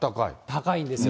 高いんですよ。